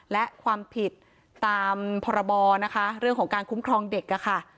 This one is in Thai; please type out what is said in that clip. และความผิดตามพบเรื่องของการคุ้มครองเด็ก